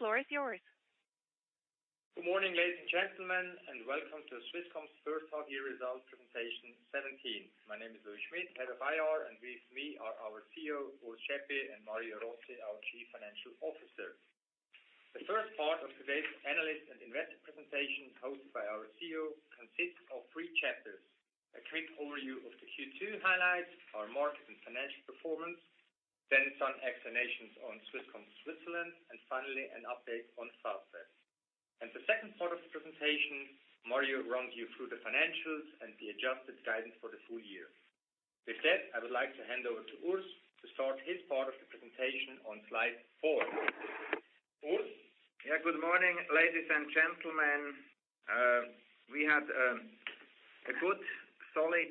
The floor is yours. Good morning, ladies and gentlemen, and welcome to Swisscom's first half year results presentation 2017. My name is Louis Schmid, Head of IR, and with me are our CEO, Urs Schaeppi, and Mario Rossi, our Chief Financial Officer. The first part of today's analyst and investor presentation, hosted by our CEO, consists of three chapters: a quick overview of the Q2 highlights, our market and financial performance, some explanations on Swisscom Switzerland, and finally an update on Fastweb. In the second part of the presentation, Mario will run you through the financials and the adjusted guidance for the full year. With that, I would like to hand over to Urs to start his part of the presentation on slide four. Urs? Good morning, ladies and gentlemen. We had a good, solid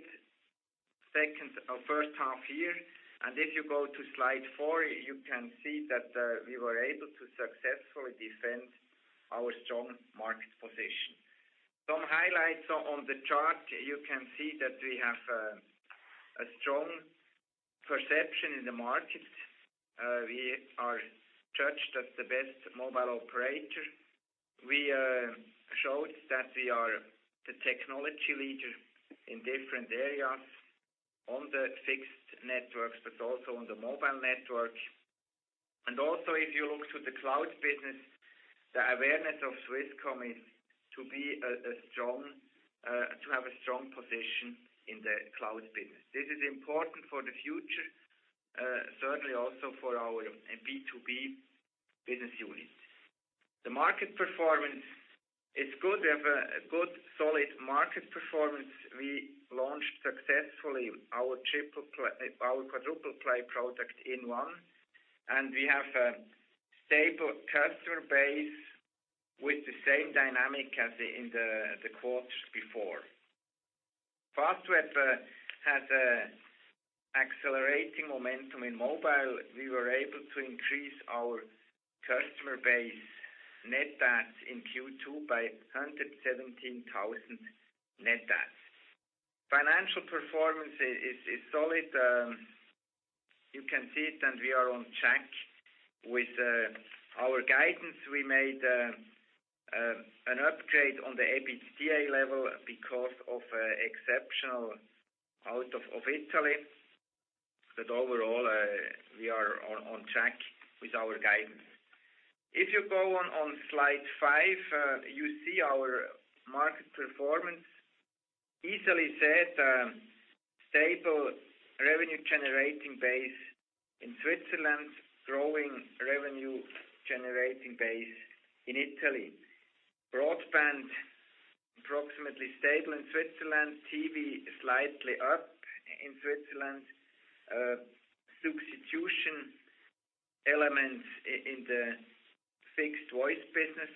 first half year, and if you go to slide four, you can see that we were able to successfully defend our strong market position. Some highlights on the chart. You can see that we have a strong perception in the market. We are judged as the best mobile operator. We showed that we are the technology leader in different areas on the fixed networks, but also on the mobile network. If you look to the cloud business, the awareness of Swisscom is to have a strong position in the cloud business. This is important for the future, certainly also for our B2B business unit. The market performance is good. We have a good, solid market performance. We launched successfully our quadruple-play product inOne. We have a stable customer base with the same dynamic as in the quarters before. Fastweb has accelerating momentum in mobile. We were able to increase our customer base net adds in Q2 by 117,000 net adds. Financial performance is solid. You can see it. We are on track with our guidance. We made an upgrade on the EBITDA level because of exceptional out of Italy. Overall, we are on track with our guidance. If you go on slide five, you see our market performance. Easily said, stable revenue-generating base in Switzerland, growing revenue-generating base in Italy. Broadband, approximately stable in Switzerland. TV, slightly up in Switzerland. Substitution elements in the fixed voice business.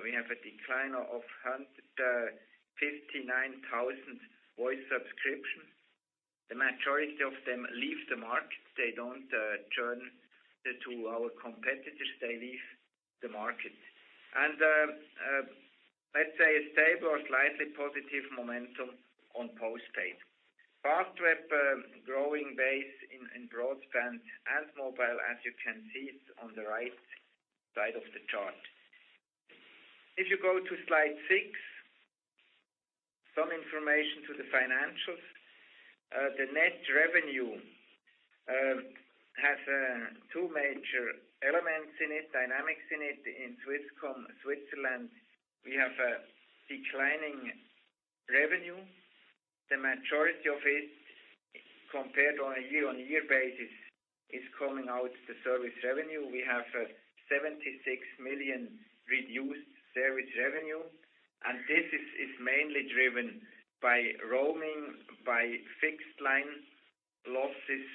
We have a decline of 159,000 voice subscriptions. The majority of them leave the market. They don't turn to our competitors. They leave the market. Let's say a stable or slightly positive momentum on postpaid. Fastweb growing base in broadband and mobile, as you can see it on the right side of the chart. If you go to slide six, some information to the financials. The net revenue has two major elements in it, dynamics in it. In Swisscom Switzerland, we have a declining revenue. The majority of it, compared on a year-on-year basis, is coming out the service revenue. We have a 76 million reduced service revenue. This is mainly driven by roaming, by fixed line losses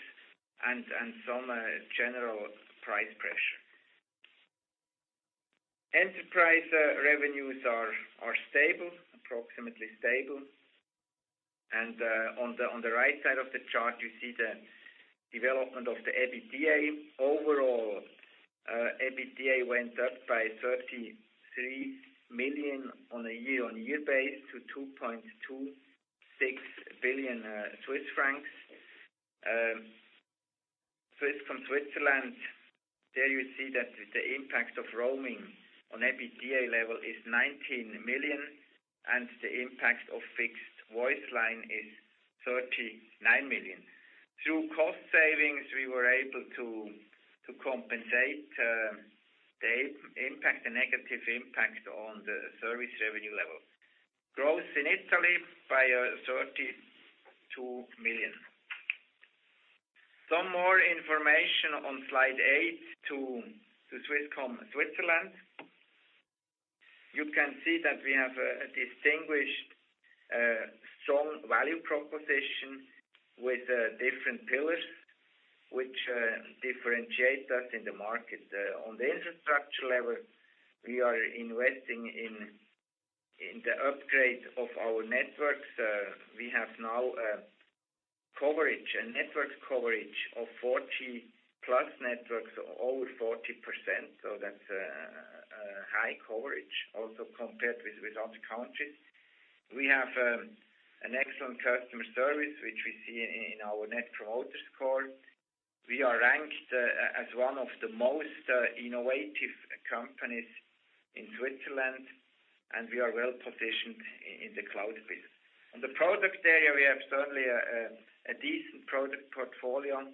and some general price pressure. Enterprise revenues are stable, approximately stable. On the right side of the chart, you see the development of the EBITDA. Overall, EBITDA went up by 33 million on a year-on-year basis to 2.26 billion Swiss francs. Swisscom Switzerland, there you see that the impact of roaming on EBITDA level is 19 million, the impact of fixed voice line is 39 million. Through cost savings, we were able to compensate the negative impact on the service revenue level. Growth in Italy by 32 million. Some more information on slide eight to Swisscom Switzerland. You can see that we have a distinguished, strong value proposition with different pillars which differentiate us in the market. On the infrastructure level, we are investing in the upgrade of our networks. We have now a network coverage of 4G+ networks, over 40%. That's a high coverage also compared with other countries. We have an excellent customer service, which we see in our Net Promoter Score. We are ranked as one of the most innovative companies in Switzerland, we are well-positioned in the cloud business. On the product area, we have certainly a decent product portfolio,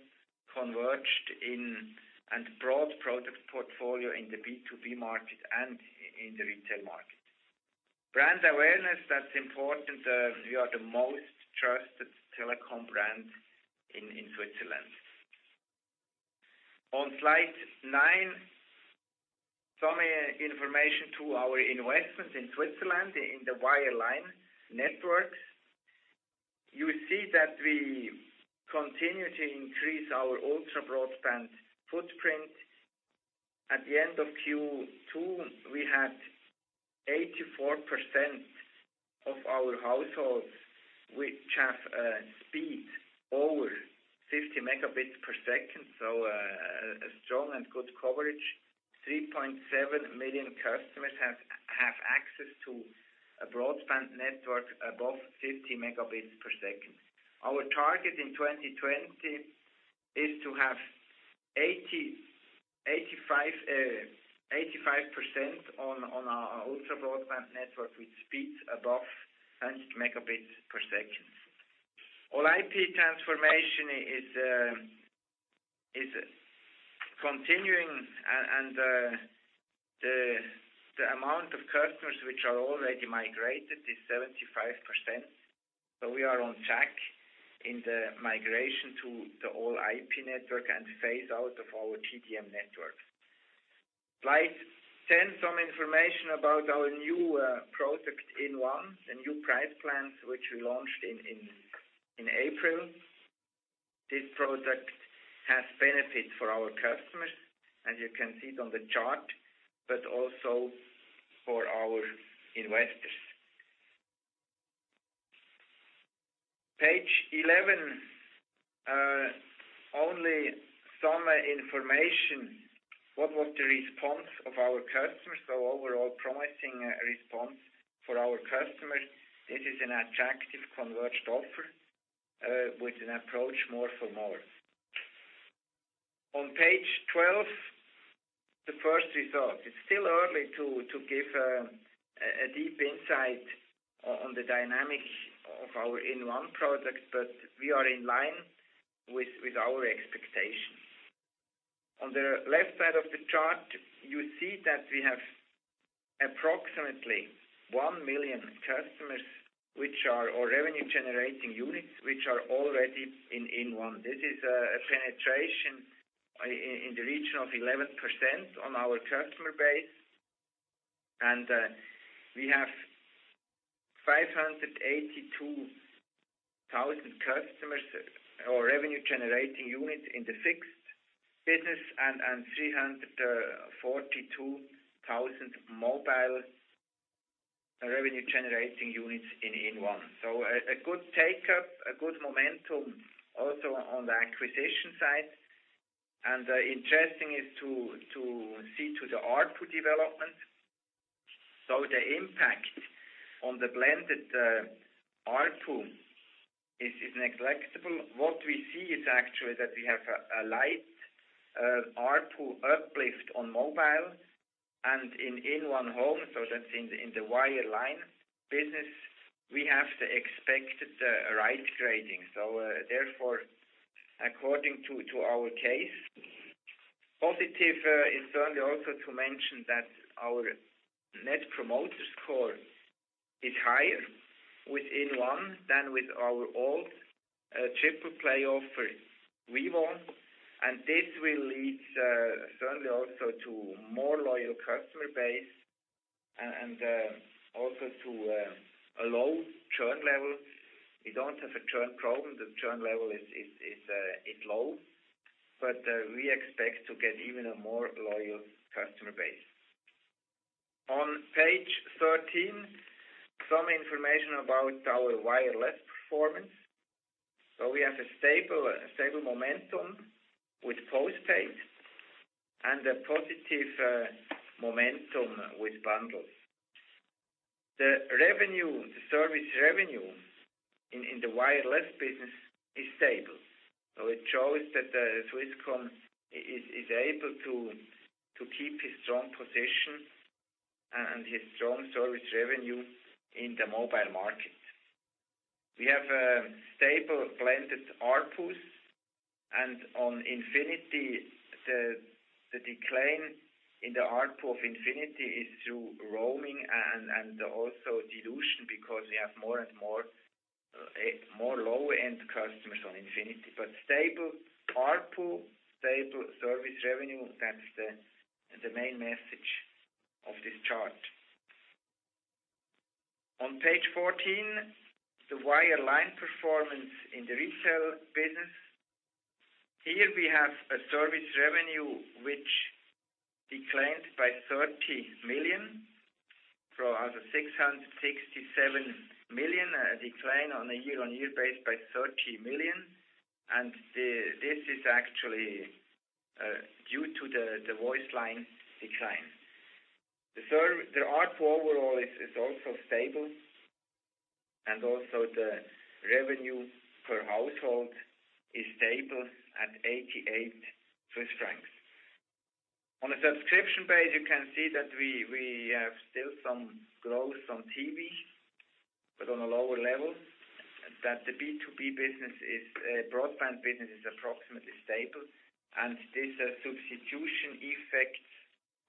converged in and broad product portfolio in the B2B market and in the retail market. Brand awareness, that's important. We are the most trusted telecom brand in Switzerland. On slide nine, some information to our investments in Switzerland in the wireline networks. You see that we continue to increase our ultra-broadband footprint. At the end of Q2, we had 84% of our households which have a speed over 50 Mbps, a strong and good coverage. 3.7 million customers have access to a broadband network above 50 Mbps. Our target in 2020 is to have 85% on our ultra-broadband network with speeds above 100 Mbps. All-IP transformation is continuing, the amount of customers which are already migrated is 75%. We are on track in the migration to the All-IP network and phase out of our TDM network. Slide 10, some information about our new product, inOne, the new price plans which we launched in April. This product has benefit for our customers, as you can see it on the chart, but also for our investors. Page 11, only some information. What was the response of our customers? Overall, promising response for our customers. This is an attractive converged offer with an approach more for more. On page 12, the first result. It's still early to give a deep insight on the dynamics of our inOne products, but we are in line with our expectations. On the left side of the chart, you see that we have approximately 1 million customers which are our revenue-generating units, which are already in inOne. This is a penetration in the region of 11% on our customer base. We have 582,000 customers or revenue-generating units in the fixed business and 342,000 mobile revenue-generating units in inOne. A good take-up, a good momentum also on the acquisition side. Interesting is to see to the ARPU development. The impact on the blended ARPU is negligible. What we see is actually that we have a light ARPU uplift on mobile and in inOne Home, so that's in the wireline business. We have the expected right-grading. Therefore, according to our case, positive is certainly also to mention that our Net Promoter Score is higher with inOne than with our old triple-play offer Vivo. This will lead certainly also to more loyal customer base and also to a low churn level. We don't have a churn problem. The churn level is low. We expect to get even a more loyal customer base. On page 13, some information about our wireless performance. We have a stable momentum with postpaid and a positive momentum with bundles. The service revenue in the wireless business is stable. It shows that Swisscom is able to keep its strong position and its strong service revenue in the mobile market. We have stable blended ARPUs, and on Infinity, the decline in the ARPU of Infinity is through roaming and also dilution because we have more and more low-end customers on Infinity. Stable ARPU, stable service revenue, that's the main message of this chart. On page 14, the wireline performance in the retail business. Here we have a service revenue which declined by 30 million from our 667 million. Decline on a year-on-year basis by 30 million, this is actually due to the voice line decline. The ARPU overall is also stable, and also the revenue per household is stable at 88 Swiss francs. On a subscription base, you can see that we have still some growth on TV, but on a lower level, that the B2B business, broadband business is approximately stable, and there's a substitution effect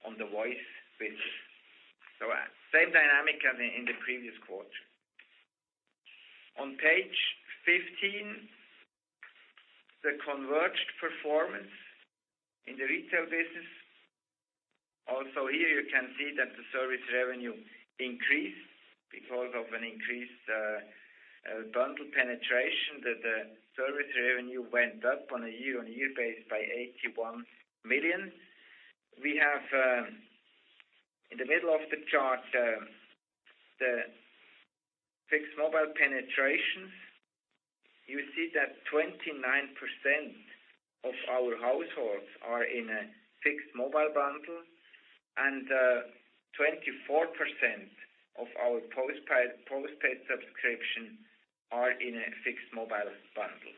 on the voice business. Same dynamic as in the previous quarter. On page 15, the converged performance in the retail business. Here you can see that the service revenue increased because of an increased bundle penetration, that the service revenue went up on a year-on-year basis by 81 million. We have, in the middle of the chart, the fixed mobile penetration. You see that 29% of our households are in a fixed mobile bundle, 24% of our postpaid subscription are in a fixed mobile bundle.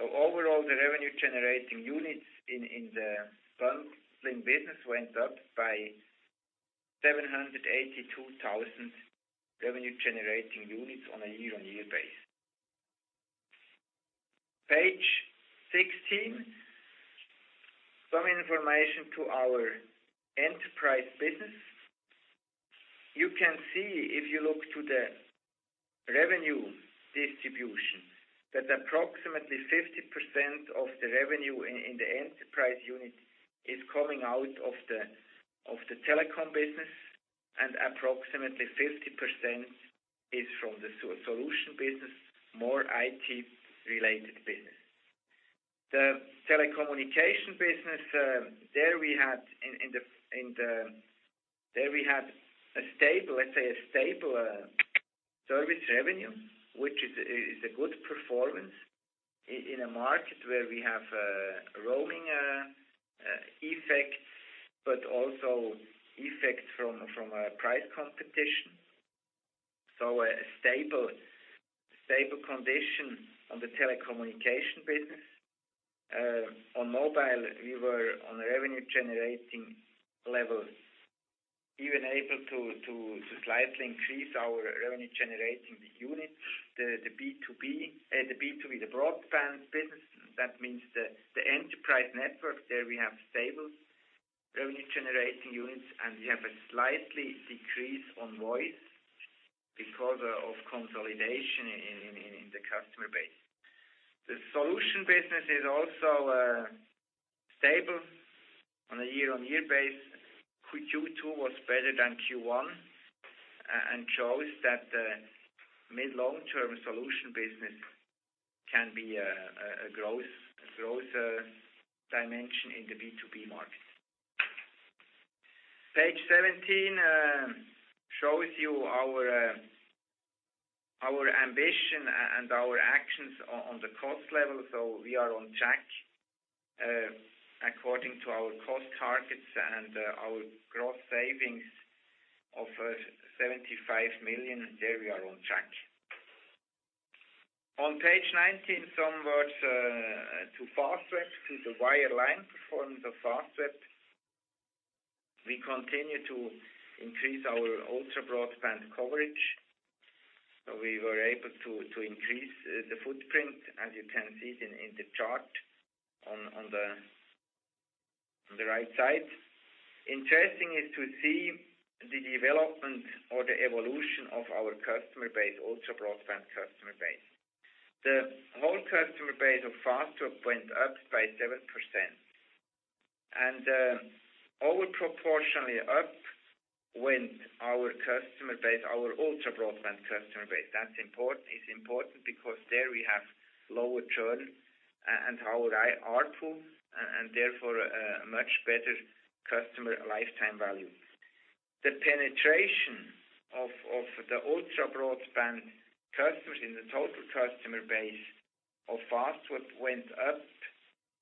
Overall, the revenue-generating units in the bundling business went up by 782,000 revenue-generating units on a year-on-year basis. On page 16, some information to our enterprise business. You can see if you look to the revenue distribution, that approximately 50% of the revenue in the enterprise unit is coming out of the telecom business and approximately 50% is from the solution business, more IT-related business. The telecommunication business, there we had a stable, let's say, a stable service revenue, which is a good performance in a market where we have roaming effects, but also effects from a price competition. A stable condition on the telecommunication business. On mobile, we were on revenue-generating levels, even able to slightly increase our revenue-generating units. The B2B, the broadband business. That means the enterprise network, there we have stable revenue-generating units, and we have a slight decrease on voice because of consolidation in the customer base. The solution business is also stable on a year-on-year basis. Q2 was better than Q1 and shows that the mid, long-term solution business can be a growth dimension in the B2B market. Page 17 shows you our ambition and our actions on the cost level. We are on track according to our cost targets and our gross savings of 75 million. There we are on track. On page 19, some words to Fastweb, to the wireline performance of Fastweb. We continue to increase our ultra-broadband coverage. We were able to increase the footprint, as you can see in the chart on the right side. Interesting is to see the development or the evolution of our customer base, ultra-broadband customer base. The whole customer base of Fastweb went up by 7%. Over proportionally up went our customer base, our ultra-broadband customer base. That is important because there we have lower churn and higher ARPU, and therefore a much better customer lifetime value. The penetration of the ultra-broadband customers in the total customer base of Fastweb went up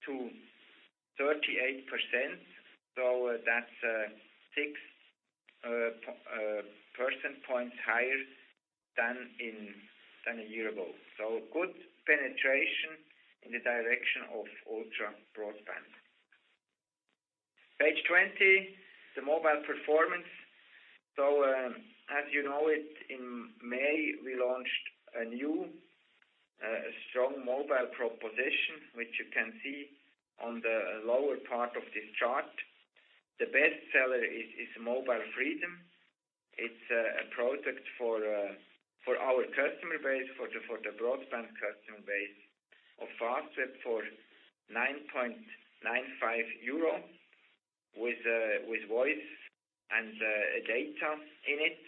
to 38%, so that's 6 percentage points higher than a year ago. Good penetration in the direction of ultra-broadband. Page 20, the mobile performance. As you know it, in May, we launched a new strong mobile proposition, which you can see on the lower part of this chart. The best seller is Mobile Freedom. It's a product for our customer base, for the broadband customer base of Fastweb for 9.95 euro with voice and data in it.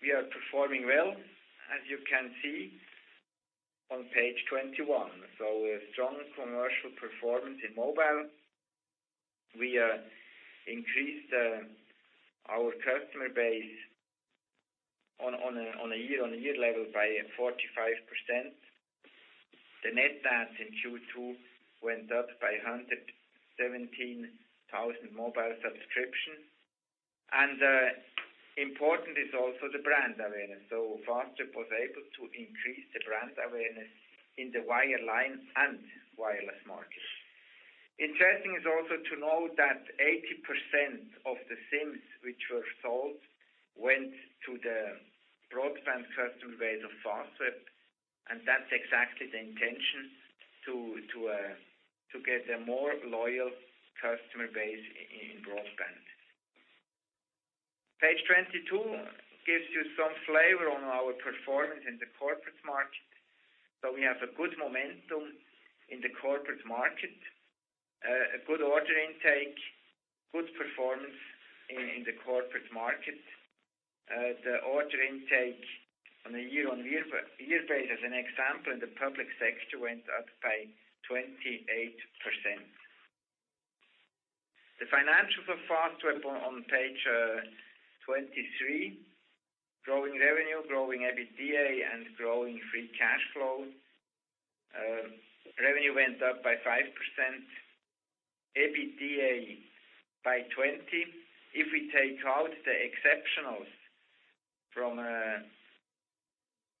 We are performing well as you can see on page 21. A strong commercial performance in mobile. We increased our customer base on a year-on-year level by 45%. The net adds in Q2 went up by 117,000 mobile subscriptions. Important is also the brand awareness. Fastweb was able to increase the brand awareness in the wireline and wireless market. Interesting is also to know that 80% of the SIMs which were sold went to the broadband customer base of Fastweb, and that's exactly the intention, to get a more loyal customer base in broadband. Page 22 gives you some flavor on our performance in the corporate market. We have a good momentum in the corporate market. A good order intake, good performance in the corporate market. The order intake on a year-on-year basis as an example in the public sector went up by 28%. The financials of Fastweb on page 23. Growing revenue, growing EBITDA, and growing free cash flow. Revenue went up by 5%, EBITDA by 20%. If we take out the exceptionals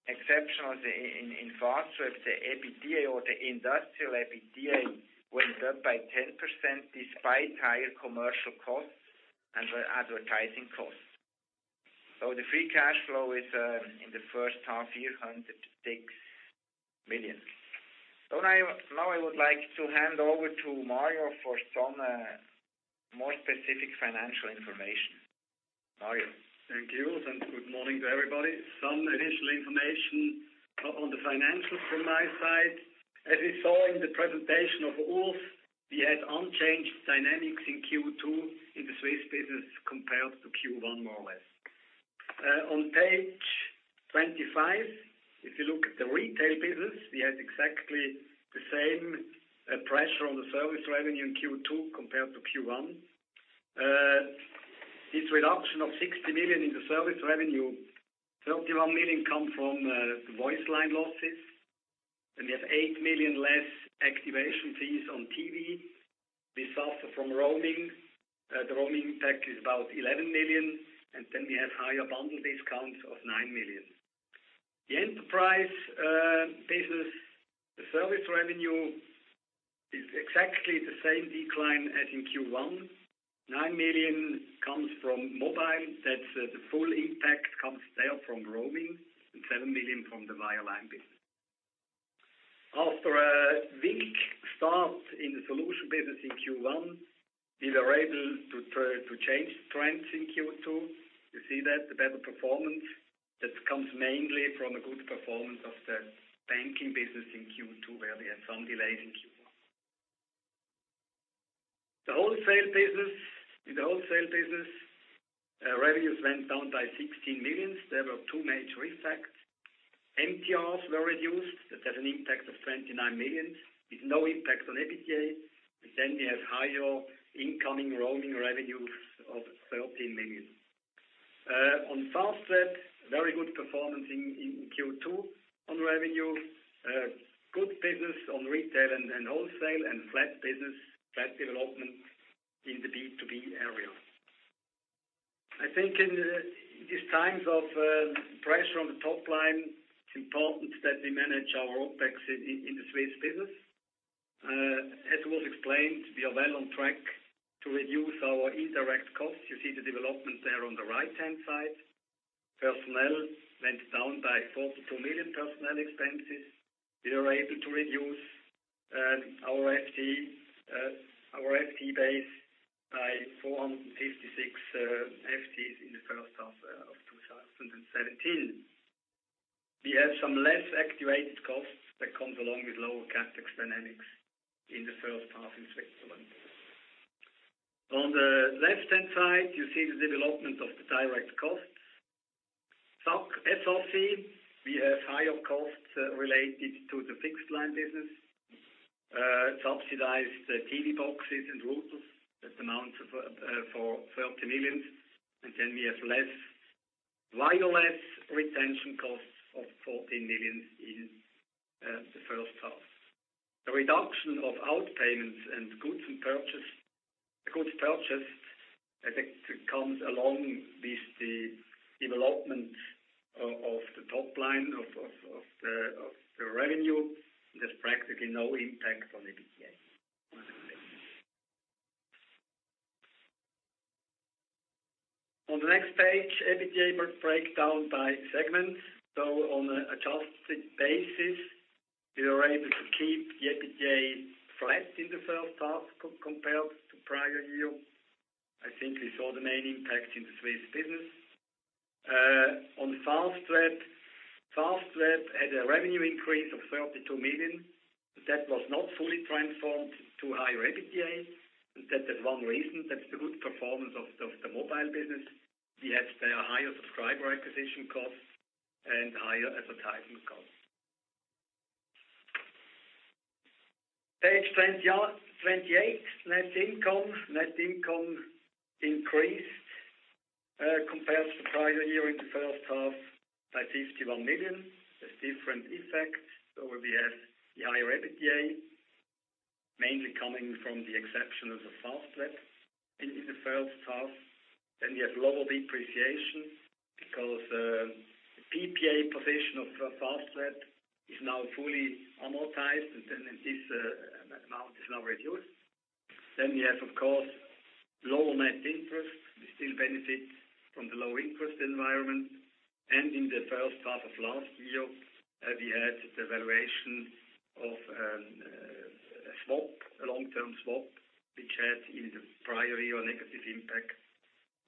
in Fastweb, the EBITDA or the industrial EBITDA went up by 10%, despite higher commercial costs and advertising costs. The free cash flow is in the first half year, 106 million. Now I would like to hand over to Mario for some more specific financial information. Mario? Thank you. Good morning to everybody. Some additional information on the financials from my side. As we saw in the presentation of Urs, we had unchanged dynamics in Q2 in the Swiss business compared to Q1 more or less. On page 25, if you look at the retail business, we had exactly the same pressure on the service revenue in Q2 compared to Q1. This reduction of 60 million in the service revenue, 31 million come from the voice line losses. We have 8 million less activation fees on TV. We suffer from roaming. The roaming impact is about 11 million. We have higher bundle discounts of 9 million. The enterprise business, the service revenue is exactly the same decline as in Q1. 9 million comes from mobile. That's the full impact comes there from roaming, and 7 million from the wireline business. After a weak start in the solution business in Q1, we were able to change trends in Q2. You see that, the better performance. That comes mainly from a good performance of the banking business in Q2, where we had some delays in Q1. The wholesale business. In the wholesale business, revenues went down by 16 million. There were 2 major effects. MTRs were reduced. That had an impact of 29 million, with no impact on EBITDA. We have higher incoming roaming revenues of 13 million. On Fastweb, very good performance in Q2 on revenue. Good business on retail and wholesale and flat business, flat development in the B2B area. I think in these times of pressure on the top line, it's important that we manage our OPEX in the Swiss business. As was explained, we are well on track to reduce our indirect costs. You see the development there on the right-hand side. Personnel went down by 42 million personnel expenses. We were able to reduce our FTE base by 456 FTEs in the first half of 2017. We have some less activated costs that comes along with lower CapEx dynamics in the first half in Switzerland. On the left-hand side, you see the development of the direct costs. SOC. We have higher costs related to the fixed line business, subsidized TV boxes and routers. That amounts for 30 million. We have less wireless retention costs of 14 million in the first half. The reduction of outpayments and goods purchase, I think comes along with the development of the top line of the revenue. There's practically no impact on EBITDA. On the next page, EBITDA breakdown by segment. On an adjusted basis, we were able to keep the EBITDA flat in the first half compared to prior year. I think we saw the main impact in the Swiss business. On Fastweb had a revenue increase of 32 million. That was not fully transformed to higher EBITDA. That had one reason. That's the good performance of the mobile business. We had there higher subscriber acquisition costs and higher advertising costs. Page 28, net income. Net income increased compared to the prior year in the first half by 51 million. There's different effects. We have the higher EBITDA, mainly coming from the exceptionals of Fastweb in the first half. We have lower depreciation because the PPA position of Fastweb is now fully amortized, and this amount is now reduced. We have, of course, lower net interest. We still benefit from the low interest environment. In the first half of last year, we had the valuation of a swap, a long-term swap, which had in the prior year a negative impact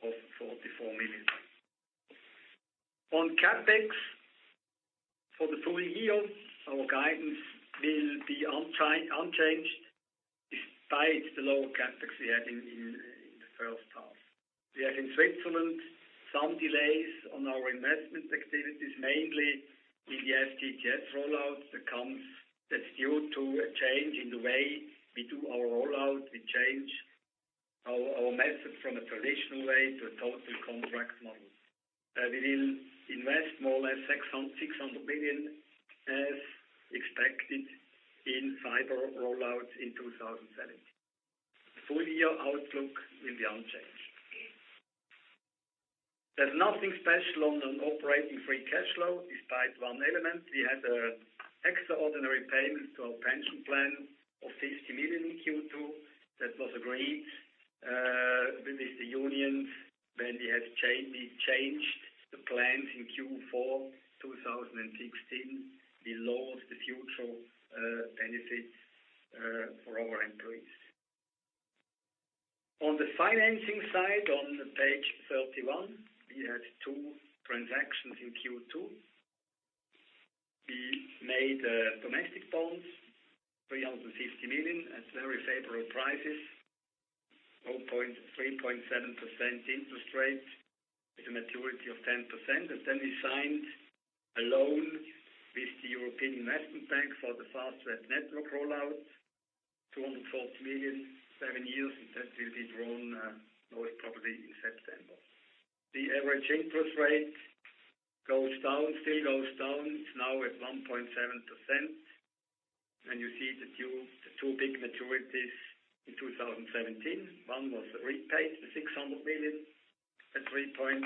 of 44 million. On CapEx for the full year, our guidance will be unchanged despite the lower CapEx we had in the first half. We have in Switzerland some delays on our investment activities, mainly in the FTTH rollout. That's due to a change in the way we do our rollout. We changed our method from a total traditional way to a total contract model. We will invest more or less 600 million as expected in fiber rollout in 2017. Full-year outlook will be unchanged. There's nothing special on operating free cash flow despite one element. We had an extraordinary payment to our pension plan of 50 million in Q2. That was agreed with the unions when we changed the plans in Q4 2016. We lowered the future benefits for our employees. On the financing side, on page 31, we had two transactions in Q2. We made domestic bonds, CHF 350 million at very favorable prices, 0.375% interest rate with a maturity of 10 years. We signed a loan with the European Investment Bank for the Fastweb network rollout, 212 million, seven years. That will be drawn probably in September. The average interest rate still goes down. It's now at 1.7%. You see the two big maturities in 2017. One was repaid, the 600 million at 3.75%.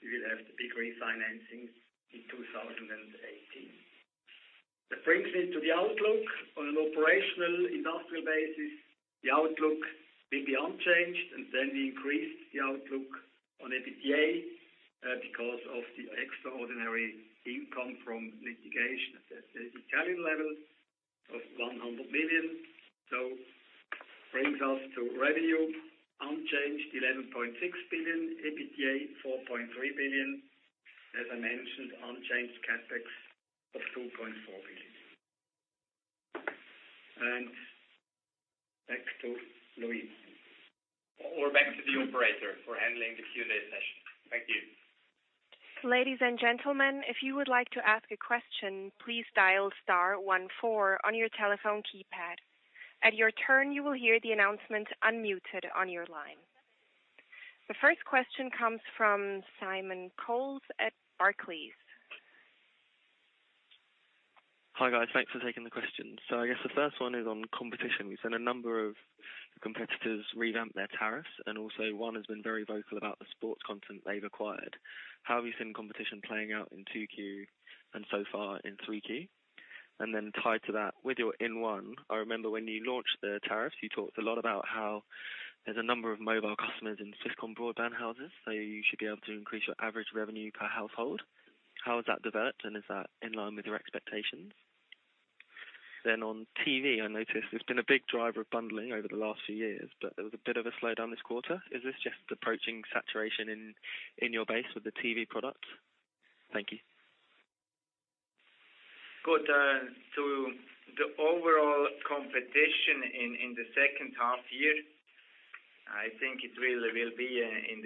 We will have the big refinancing in 2018. That brings me to the outlook. On an operational, industrial basis, the outlook will be unchanged. We increased the outlook on EBITDA because of the extraordinary income from litigation at the Italian level of 100 million. Brings us to revenue unchanged 11.6 billion, EBITDA 4.3 billion. As I mentioned, unchanged CapEx of 2.4 billion. Back to Louis. Back to the operator for handling the Q&A session. Thank you. Ladies and gentlemen, if you would like to ask a question, please dial star 14 on your telephone keypad. At your turn, you will hear the announcement unmuted on your line. The first question comes from Simon Coles at Barclays. Hi, guys. Thanks for taking the questions. I guess the first one is on competition. We've seen a number of competitors revamp their tariffs, and also one has been very vocal about the sports content they've acquired. How have you seen competition playing out in 2Q and so far in 3Q? Tied to that, with your inOne, I remember when you launched the tariffs, you talked a lot about how there's a number of mobile customers in Swisscom broadband houses, so you should be able to increase your average revenue per household. How has that developed, and is that in line with your expectations? On TV, I noticed it's been a big driver of bundling over the last few years, but there was a bit of a slowdown this quarter. Is this just approaching saturation in your base with the TV product? Thank you. Good. To the overall competition in the second half year, I think it really will be on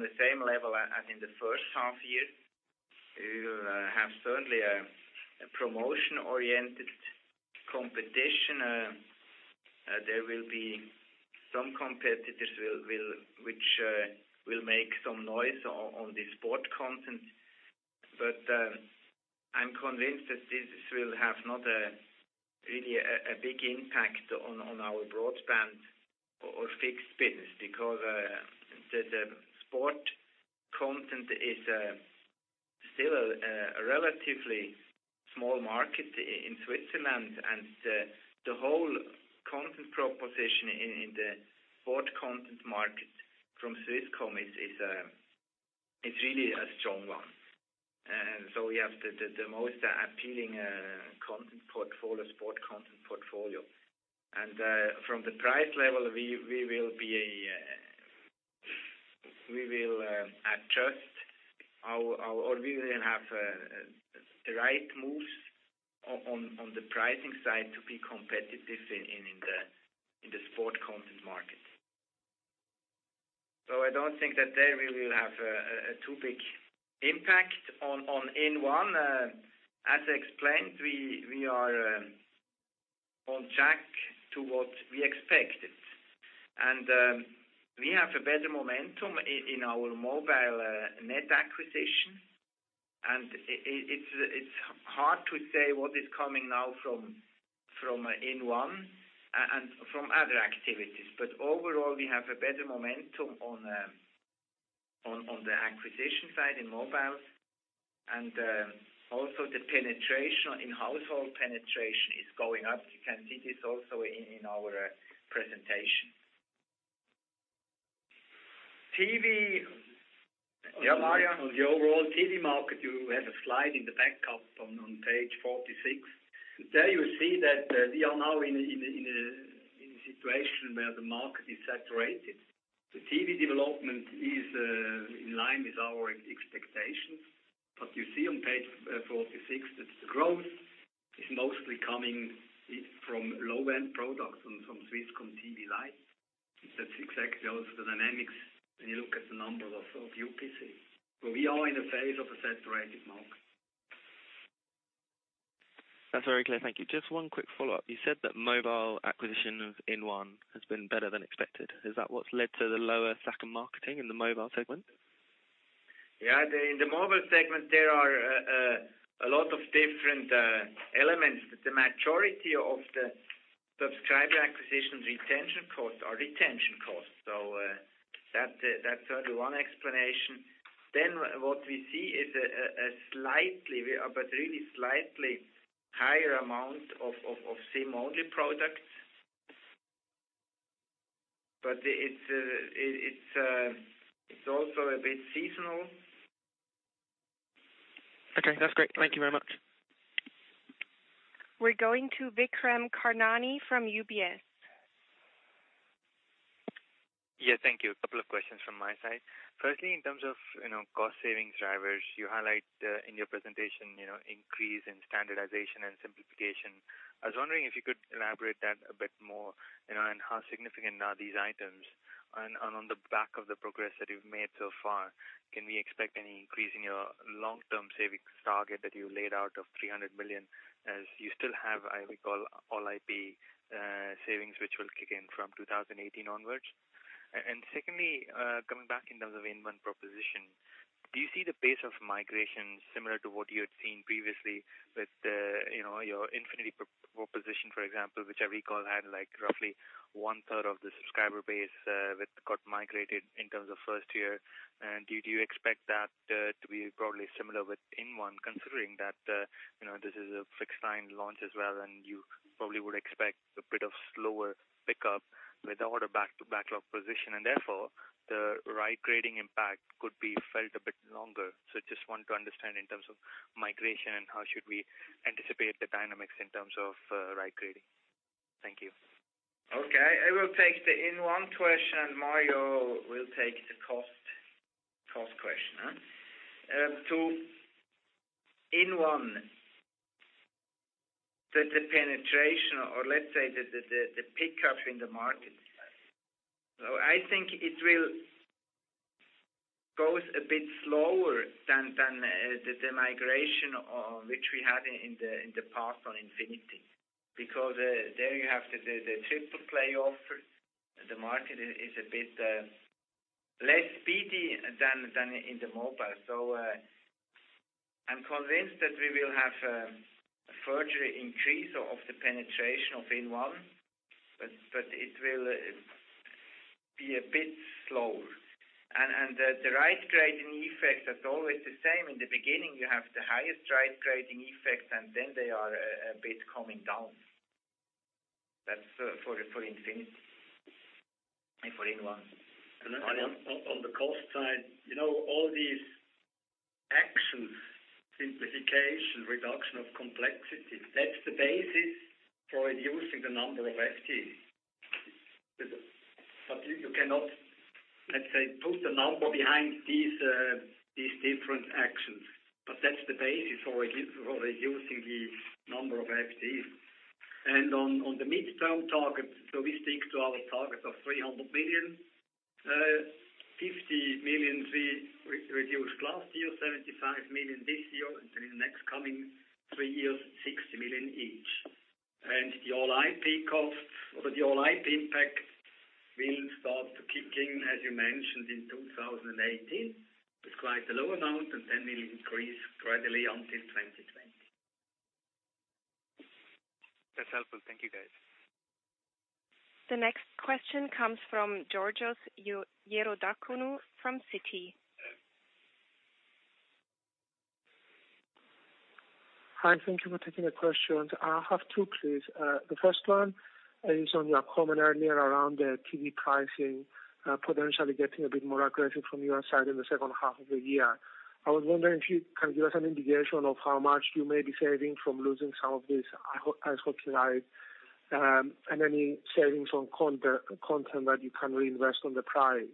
the same level as in the first half year. We will have certainly a promotion-oriented competition. There will be some competitors which will make some noise on the sport content. I'm convinced that this will have not really a big impact on our broadband or fixed business because the sport content is still a relatively small market in Switzerland, and the whole content proposition in the sport content market from Swisscom is really a strong one. I don't think that there we will have a too big impact on inOne. As explained, we are on track to what we expected. We have a better momentum in our mobile net acquisition. It's hard to say what is coming now from inOne and from other activities. Overall, we have a better momentum on the acquisition side in mobile. Also the penetration in household penetration is going up. You can see this also in our presentation. TV. Yeah, Mario. On the overall TV market, you have a slide in the backup on page 46. There you see that we are now in a situation where the market is saturated. The TV development is in line with our expectations. You see on page 46 that the growth is mostly coming from low-end products and from Swisscom TV Light. That's exactly also the dynamics when you look at the numbers of UPC. We are in a phase of a saturated market. That's very clear. Thank you. Just one quick follow-up. You said that mobile acquisition of inOne has been better than expected. Is that what's led to the lower SAC marketing in the mobile segment? Yeah. In the mobile segment, there are a lot of different elements, but the majority of the subscriber acquisition retention costs are retention costs. That's only one explanation. What we see is a slightly, but really slightly higher amount of SIM-only products. It's also a bit seasonal. Okay. That's great. Thank you very much. We're going to Vikram Karnani from UBS. Yeah, thank you. A couple of questions from my side. Firstly, in terms of cost-saving drivers, you highlight in your presentation increase in standardization and simplification. I was wondering if you could elaborate that a bit more, and how significant are these items. On the back of the progress that you've made so far, can we expect any increase in your long-term savings target that you laid out of 300 million as you still have, I recall, All-IP savings, which will kick in from 2018 onwards? Secondly, coming back in terms of inOne proposition, do you see the pace of migration similar to what you had seen previously with your Infinity proposition, for example, which I recall had roughly one-third of the subscriber base which got migrated in terms of first year? Do you expect that to be probably similar with inOne, considering that this is a fixed-line launch as well, and you probably would expect a bit of slower pickup with all the backlog position. Therefore, the right-grading impact could be felt a bit longer. Just want to understand in terms of migration and how should we anticipate the dynamics in terms of right-grading. Thank you. Okay. I will take the inOne question, and Mario will take the cost question. inOne, the penetration or let's say the pickup in the market. I think it will go a bit slower than the migration which we had in the past on Infinity. There you have the triple-play offer. The market is a bit less speedy than in the mobile. I'm convinced that we will have a further increase of the penetration of inOne, but it will be a bit slower. The right-grading effect is always the same. In the beginning, you have the highest right-grading effect, and then they are a bit coming down. That's for Infinity and for inOne. On the cost side, all these actions, simplification, reduction of complexity, that's the basis for reducing the number of FTEs. You cannot, let's say, put a number behind these different actions. That's the basis for reducing the number of FTEs. On the midterm target, we stick to our target of 300 million. 50 million we reduced last year, 75 million this year, and in the next coming 3 years, 60 million each. The All-IP cost or the All-IP impact will start to kick in, as you mentioned, in 2018. It's quite a low amount, and then will increase gradually until 2020. That's helpful. Thank you, guys. The next question comes from Georgios Ierodiaconou from Citi. Hi, thank you for taking the questions. I have two, please. The first one is on your comment earlier around the TV pricing potentially getting a bit more aggressive from your side in the second half of the year. I was wondering if you can give us an indication of how much you may be saving from losing some of this Ice Hockey Live, and any savings on content that you can reinvest on the price.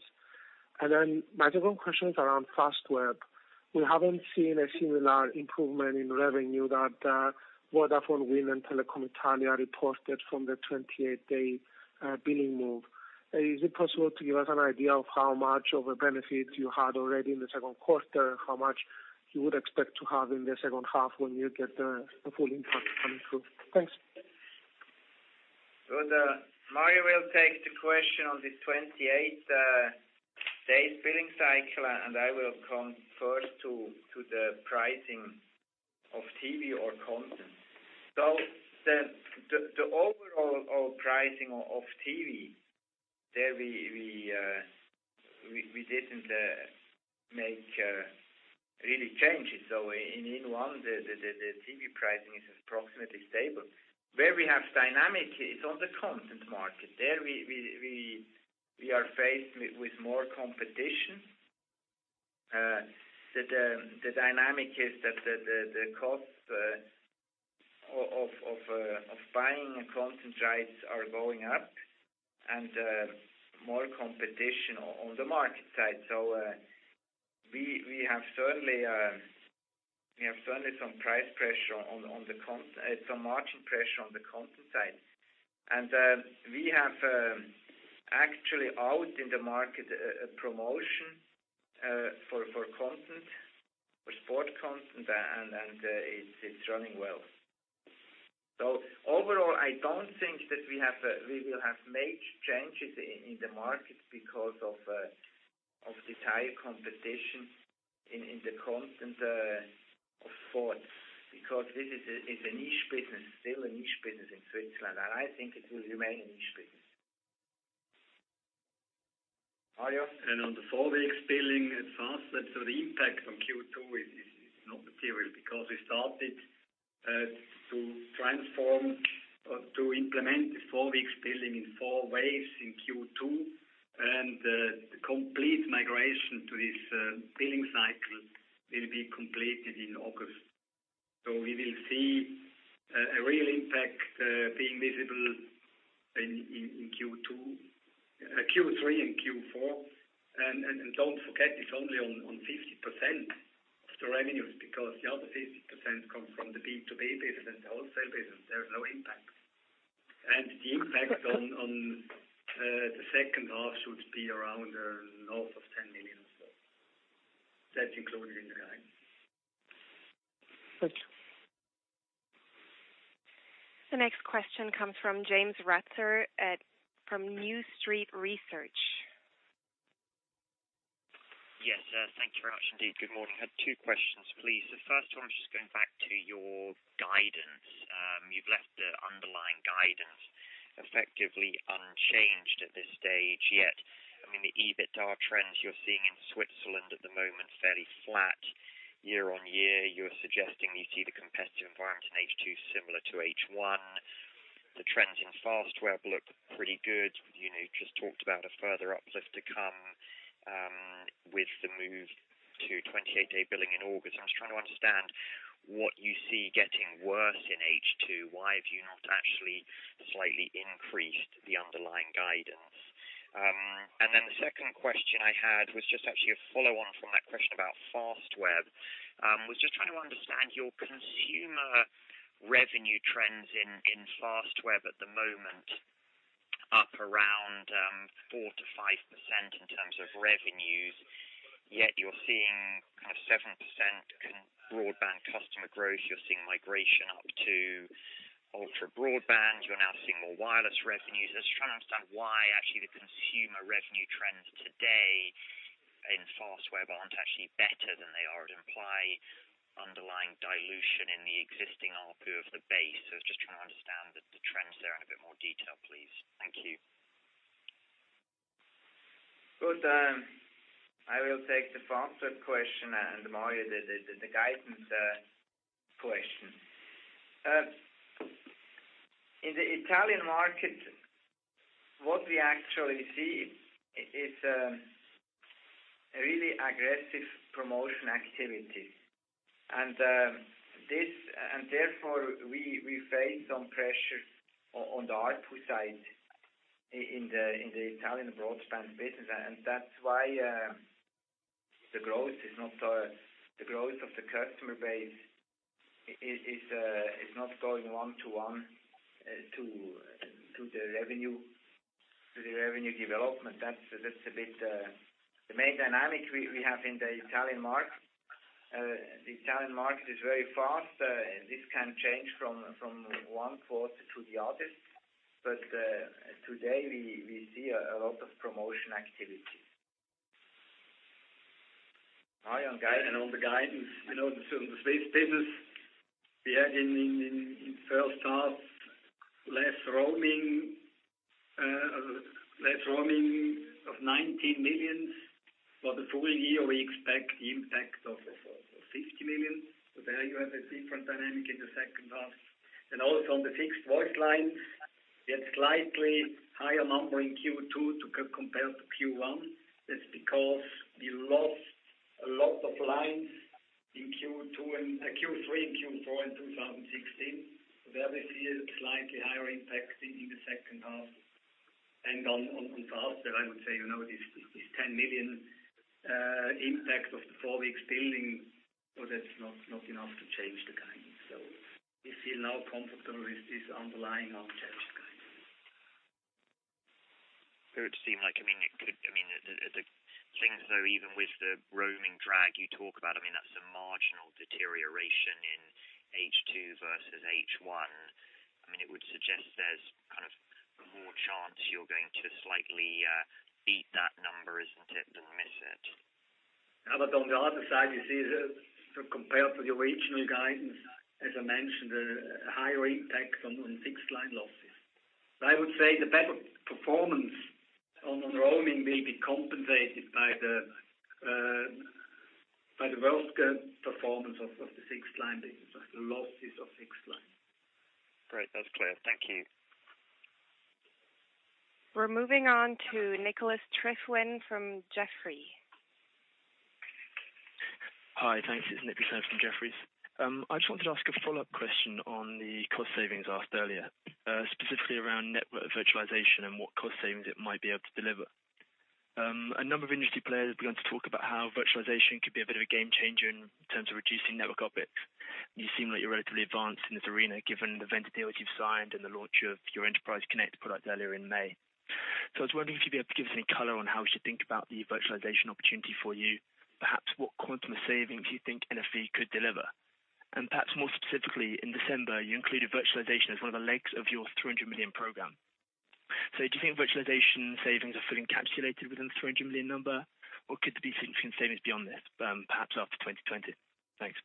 My second question is around Fastweb. We haven't seen a similar improvement in revenue that Vodafone, Wind, and Telecom Italia reported from the 28-day billing move. Is it possible to give us an idea of how much of a benefit you had already in the second quarter, how much you would expect to have in the second half when you get the full impact coming through? Thanks. Good. Mario will take the question on the 28-day billing cycle. I will come first to the pricing of TV or content. The overall pricing of TV, there we didn't make really changes. InOne, the TV pricing is approximately stable. Where we have dynamic is on the content market. There we are faced with more competition. The dynamic is that the cost of buying content rights are going up and more competition on the market side. We have certainly some margin pressure on the content side. We have actually out in the market a promotion for content, for sport content, and it's running well. Overall, I don't think that we will have major changes in the market because of the entire competition in the content of sports, because this is still a niche business in Switzerland, and I think it will remain a niche business. Mario? On the four weeks billing at Fastweb, the impact on Q2 is not material because we started to implement the four weeks billing in four waves in Q2, and the complete migration to this billing cycle will be completed in August. We will see a real impact being visible in Q3 and Q4. Don't forget, it's only on 50% of the revenues because the other 50% comes from the B2B business and the wholesale business. There is no impact. The impact on the second half should be around north of 10 million or so. That's included in the guide. Thank you. The next question comes from James Ratzer from New Street Research. Yes. Thank you very much indeed. Good morning. I had two questions, please. The first one is just going back to your guidance. You've left the underlying guidance effectively unchanged at this stage, yet, I mean, the EBITDA trends you're seeing in Switzerland at the moment is fairly flat year-over-year. You're suggesting you see the competitive environment in H2 similar to H1. The trends in Fastweb look pretty good. You just talked about a further uplift to come with the move to 28-day billing in August. I'm just trying to understand what you see getting worse in H2. Why have you not actually slightly increased the underlying guidance? Then the second question I had was just actually a follow-on from that question about Fastweb. I was just trying to understand your consumer revenue trends in Fastweb at the moment, up around 4%-5% in terms of revenues, yet you're seeing kind of 7% broadband customer growth. You're seeing migration up to ultra-broadband. You're now seeing more wireless revenues. I was trying to understand why actually the consumer revenue trends today in Fastweb aren't actually better than they are to imply underlying dilution in the existing ARPU of the base. I was just trying to understand the trends there in a bit more detail, please. Thank you. Good. I will take the Fastweb question and Mario the guidance question. In the Italian market, what we actually see is a really aggressive promotion activity. Therefore, we face some pressure on the ARPU side in the Italian broadband business. That's why the growth of the customer base is not going one-to-one to the revenue development. That's a bit the main dynamic we have in the Italian market. The Italian market is very fast. This can change from one quarter to the other. Today, we see a lot of promotion activity. I on the guidance. In the Swiss business, we had in first half less roaming of 19 million. For the full year, we expect the impact of 60 million. There you have a different dynamic in the second half. Also on the fixed voice lines, we had slightly higher number in Q2 compared to Q1. That's because we lost a lot of lines in Q3 and Q4 in 2016. There we see a slightly higher impact in the second half. On Fastweb, I would say this 10 million impact of the four weeks billing, that's not enough to change the guidance. We feel now comfortable with this underlying unchanged guidance. It would seem like it could. The thing though, even with the roaming drag you talk about, that's a marginal deterioration in H2 versus H1. It would suggest there's more chance you're going to slightly beat that number, isn't it, than miss it? On the other side, you see that compared to the original guidance, as I mentioned, a higher impact on fixed line losses. I would say the better performance on roaming may be compensated by the worst performance of the fixed line business, the losses of fixed line. Great. That's clear. Thank you. We're moving on to Nick Delfas from Jefferies. Hi. Thanks. It's Nick Delfas from Jefferies. I just wanted to ask a follow-up question on the cost savings asked earlier, specifically around network virtualization and what cost savings it might be able to deliver. A number of industry players have begun to talk about how virtualization could be a bit of a game changer in terms of reducing network OPEX. You seem like you're relatively advanced in this arena, given the vendor deals you've signed and the launch of your Enterprise Connect product earlier in May. I was wondering if you'd be able to give us any color on how we should think about the virtualization opportunity for you, perhaps what quantum of savings you think NFV could deliver. Perhaps more specifically, in December, you included virtualization as one of the legs of your 300 million program. Do you think virtualization savings are fully encapsulated within the 300 million number, or could there be significant savings beyond this, perhaps after 2020? Thanks.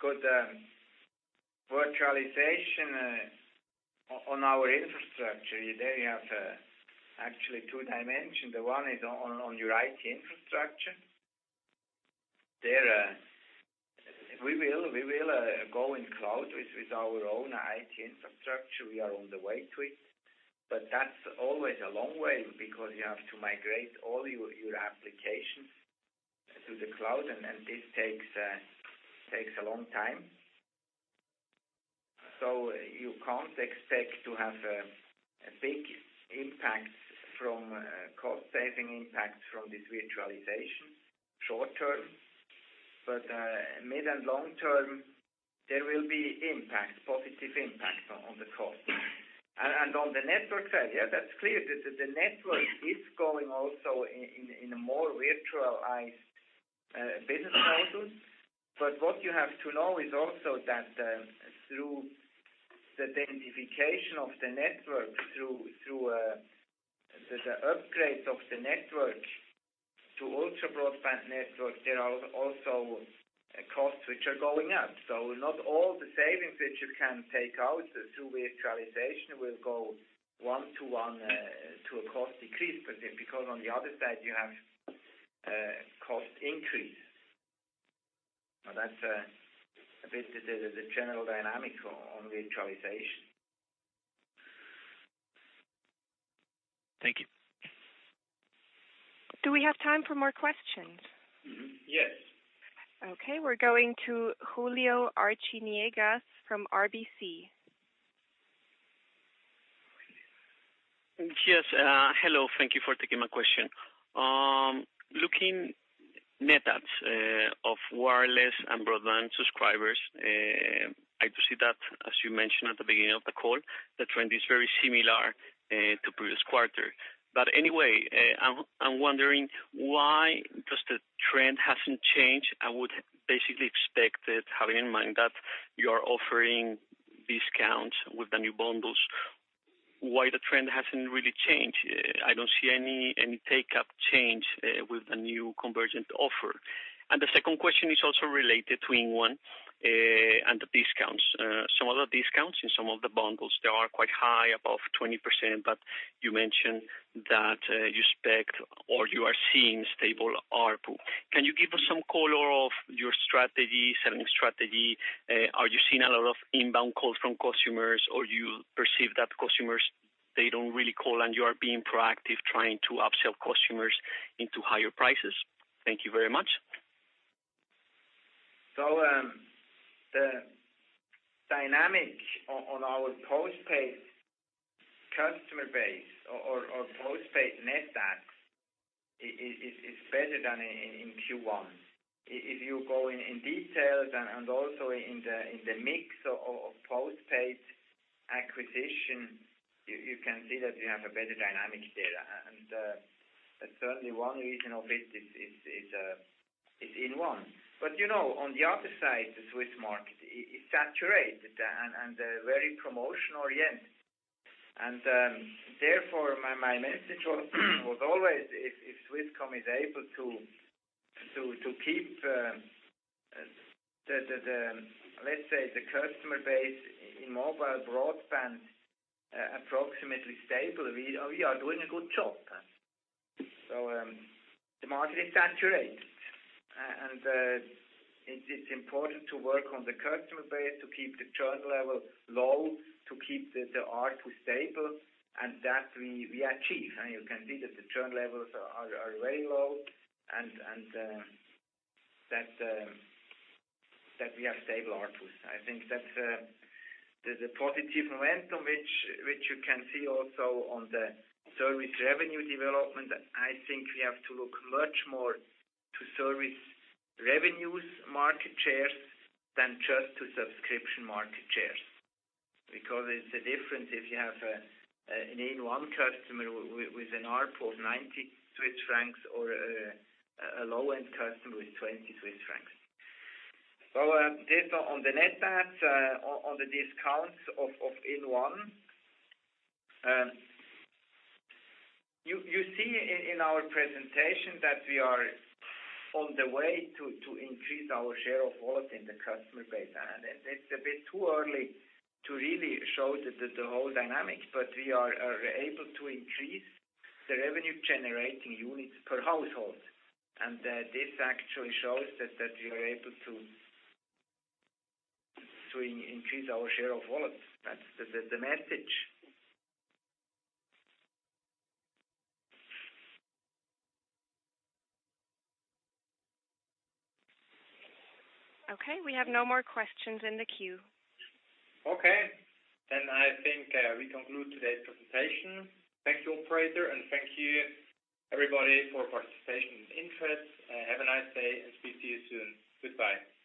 Good. Virtualization on our infrastructure, there you have actually two dimensions. One is on your IT infrastructure. There, we will go in cloud with our own IT infrastructure. We are on the way to it, but that's always a long way because you have to migrate all your applications to the cloud, and this takes a long time. You can't expect to have a big impact from cost-saving impact from this virtualization short-term. Mid- and long-term, there will be impact, positive impact on the cost. On the network side, yeah, that's clear. The network is going also in a more virtualized business model. What you have to know is also that through the densification of the network, through the upgrades of the network to ultra-broadband network, there are also costs which are going up. Not all the savings which you can take out through virtualization will go one-to-one to a cost decrease because on the other side, you have a cost increase. That's a bit the general dynamic on virtualization. Thank you. Do we have time for more questions? Mm-hmm. Yes. Okay. We're going to Julio Arciniegas from RBC. Yes. Hello. Thank you for taking my question. Looking net adds of wireless and broadband subscribers, I do see that, as you mentioned at the beginning of the call, the trend is very similar to previous quarter. Anyway, I'm wondering why just the trend hasn't changed. I would basically expect it, having in mind that you are offering discounts with the new bundles. Why the trend hasn't really changed? I don't see any take-up change with the new convergent offer. The second question is also related to inOne and the discounts. Some of the discounts in some of the bundles, they are quite high, above 20%, but you mentioned that you expect or you are seeing stable ARPU. Can you give us some color of your strategy, selling strategy? Are you seeing a lot of inbound calls from customers, or you perceive that customers, they don't really call, and you are being proactive trying to upsell customers into higher prices? Thank you very much. The dynamic on our postpaid customer base or postpaid net adds is better than in Q1. If you go in details and also in the mix of postpaid acquisition, you can see that we have a better dynamic there. Certainly, one reason of it is inOne. On the other side, the Swiss market is saturated and very promotion-oriented. Therefore, my message was always if Swisscom is able to keep, let's say, the customer base in mobile broadband approximately stable, we are doing a good job. The market is saturated. It is important to work on the customer base to keep the churn level low, to keep the ARPU stable, and that we achieve. You can see that the churn levels are very low and that we have stable ARPUs. I think that the positive momentum, which you can see also on the service revenue development, I think we have to look much more to service revenues market shares than just to subscription market shares. Because it's a difference if you have an inOne customer with an ARPU of 90 Swiss francs or a low-end customer with 20 Swiss francs. This on the net adds, on the discounts of inOne. You see in our presentation that we are on the way to increase our share of wallet in the customer base. It's a bit too early to really show the whole dynamics, but we are able to increase the revenue-generating units per household. This actually shows that we are able to increase our share of wallet. That's the message. We have no more questions in the queue. I think we conclude today's presentation. Thank you, operator, and thank you, everybody, for participation and interest. Have a nice day, and speak to you soon. Goodbye.